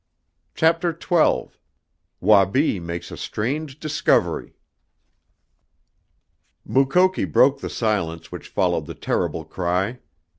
CHAPTER XII WABI MAKES A STRANGE DISCOVERY Mukoki broke the silence which followed the terrible cry.